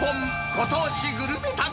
ご当地グルメ旅。